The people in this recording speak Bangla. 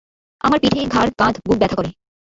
আমার পিঠে, ঘাড়, কাঁধ, বুক ব্যথা করে।